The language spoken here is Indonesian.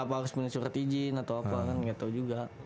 apa harus punya surat izin atau apa kan gak tau juga